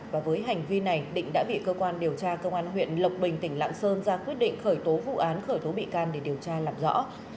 và với hành vi này định đã bị cơ quan điều tra công an huyện lộc bình tỉnh lạng sơn ra quyết định khởi tố vụ án khởi tố bị can để điều tra làm rõ